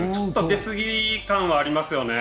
出すぎ感はありますよね。